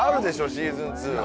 シーズン２は。